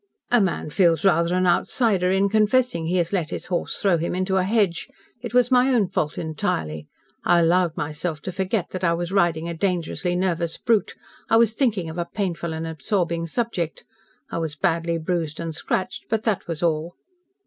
"A man feels rather an outsider in confessing he has let his horse throw him into a hedge. It was my own fault entirely. I allowed myself to forget that I was riding a dangerously nervous brute. I was thinking of a painful and absorbing subject. I was badly bruised and scratched, but that was all."